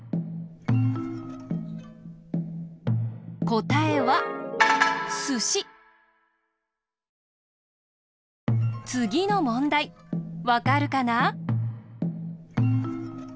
こたえはつぎのもんだいわかるかな？